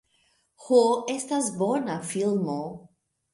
Ho, estas bona filmo.